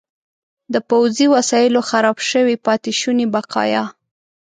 د پوځي وسایلو خراب شوي پاتې شوني بقایا.